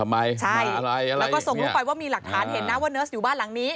แล้วก็ส่งลูกไปว่ามีหลักฐานเห็นนะว่าเนิร์สอยู่บ้านหลังนี้